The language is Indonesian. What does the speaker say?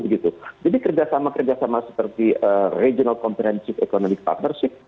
kerjasama kerjasama seperti regional comprehensive economic partnership